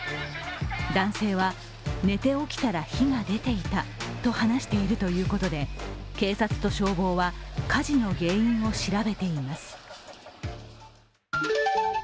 男性は、寝て起きたら火が出ていたと話しているということで、警察と消防は、火事の原因を調べています。